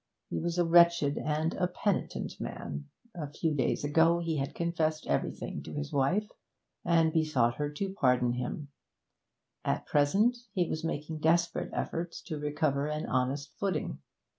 He was a wretched and a penitent man; a few days ago he had confessed everything to his wife, and besought her to pardon him; at present he was making desperate efforts to recover an honest footing.